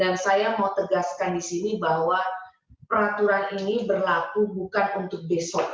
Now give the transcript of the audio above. dan saya mau tegaskan di sini bahwa peraturan ini berlaku bukan untuk besok